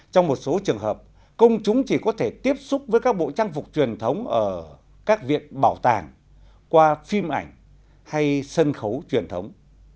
trong một số trường hợp công chúng chỉ có thể tiếp xúc với các bộ trang phục truyền thống ở các viện bảo tàng qua phim ảnh hay sân khấu truyền thống